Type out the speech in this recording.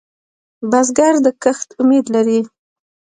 بزګر د کښت امید لري